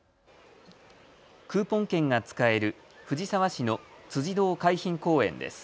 クーポン券が使える藤沢市の辻堂海浜公園です。